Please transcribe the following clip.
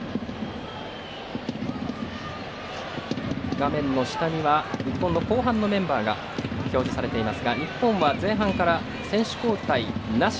画面下には日本の後半のメンバーが表示されていますが、日本は前半から選手交代なし。